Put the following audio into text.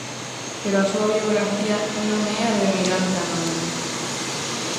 Pero a súa biografía non é a do emigrante anónimo.